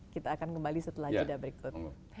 kita akan kembali setelah jeda berikut